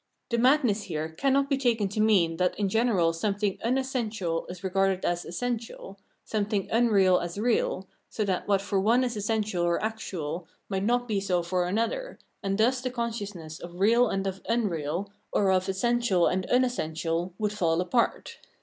The madness here cannot be taken to mean that in general something unessential is regarded as essential, something unreal as real, so that what for one is essen tial or actual might not be so for another, and thus the consciousness of real and of unreal, or of essential and unessential, would fall apart.